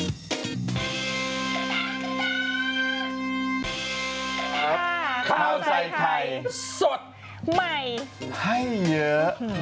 สวัสดีครับข้าวใส่ไทยสดใหม่ให้เยอะ